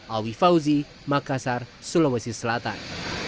awi fauzi makassar sulawesi selatan